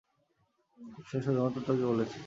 সে শুধুমাত্র তোকে বলেছে।